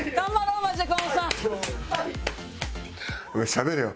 「しゃべれよ」